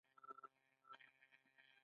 د دې حالت اصلي لامل څه دی